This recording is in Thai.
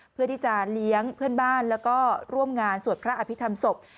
เพื่อที่จะเลี้ยงเพื่อนบ้านแล้วก็ร่วมงานสวดพระอภิษฐรรมศพ